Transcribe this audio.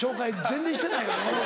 全然してないよね。